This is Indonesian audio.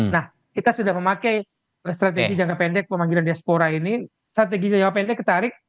nah kita sudah memakai strategi jangka pendek pemanggilan diaspora ini strategi jangka pendek tertarik